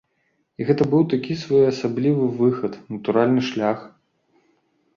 І гэта быў такі своеасаблівы выхад, натуральны шлях.